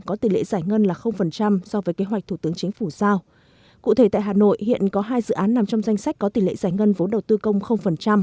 cụ thể tại hà nội hiện có hai dự án nằm trong danh sách có tỷ lệ giải ngân vốn đầu tư công